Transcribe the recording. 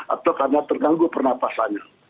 atau karena terganggu pernafasannya